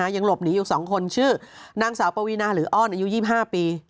ยังหลบหนีอยู่๒คนชื่อนางสาวปวีนาหรืออ้อนอายุ๒๕ปี